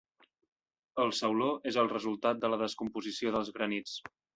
El sauló és el resultat de la descomposició dels granits.